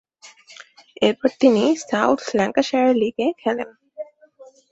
এরপর তিনি south Lancashire লীগে খেলেন।